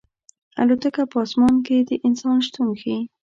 الوتکه په اسمان کې د انسان شتون ښيي.